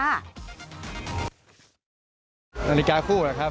นาฬิกาคู่เหรอครับ